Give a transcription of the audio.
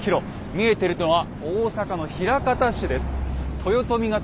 見えてるのは大阪の枚方市です。